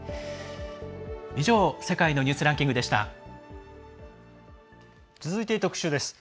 以上「世界のニュースランキング」でした。